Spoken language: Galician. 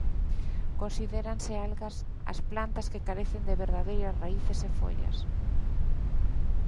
Considéranse algas ás plantas que carecen de verdadeiras raíces e follas.